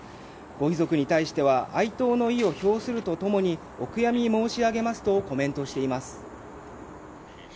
ご遺族に対しては哀悼の意を表するとともにお悔やみ申し上げますとコメントしています。